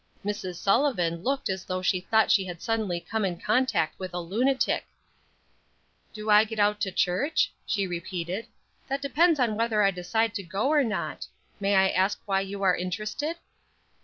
Mrs. Sullivan looked as though she thought she had suddenly come in contact with a lunatic. "Do I get out to church?" she repeated. "That depends on whether I decide to go or not. May I ask why you are interested?"